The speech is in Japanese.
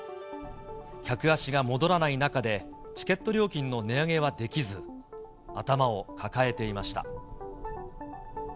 客足が戻らない中で、チケット料金の値上げはできず、頭を抱えていました。